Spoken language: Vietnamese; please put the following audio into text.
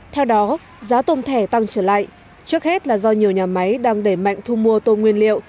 theo đó giá tôm thẻ tăng trở lại trước hết là do nhiều nhà máy đang đẩy mạnh thu mua tôm nguyên liệu